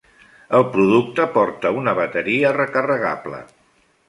El producte porta una bateria recarregable.